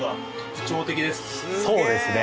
そうですね。